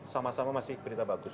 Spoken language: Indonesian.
sama sama masih berita bagus